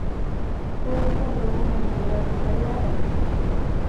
Fue hijo de un inmigrante italiano.